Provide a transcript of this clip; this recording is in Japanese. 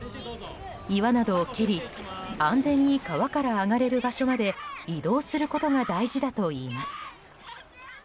岩などを蹴り、安全に川から上がれる場所まで移動することが大事だといいます。